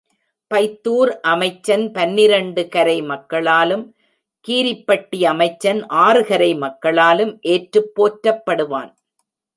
பைத்தூர் அமைச்சன் பன்னிரண்டு கரை மக்களாலும், கீரிப்பட்டி அமைச்சன் ஆறு கரை மக்களாலும் ஏற்றுப் போற்றப்படுவான்.